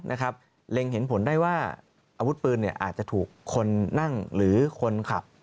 เล็งเห็นผลได้ว่าอาวุธปืนเนี่ยอาจจะถูกคนนั่งหรือคนขับ